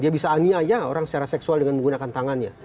dia bisa aniaya orang secara seksual dengan menggunakan tangannya